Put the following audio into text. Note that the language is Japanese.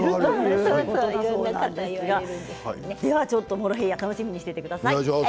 モロヘイヤ楽しみにしていてください。